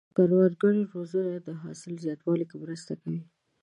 د کروندګرو روزنه د حاصل زیاتوالي کې مرسته کوي.